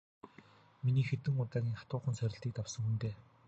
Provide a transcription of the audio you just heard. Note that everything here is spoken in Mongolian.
Миний хэдэн удаагийн хатуухан сорилтыг давсан хүн дээ.